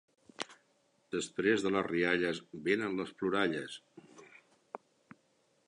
Després de les rialles venen les ploralles.